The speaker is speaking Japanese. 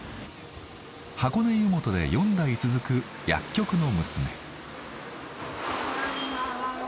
箱根湯本で４代続く薬局の娘。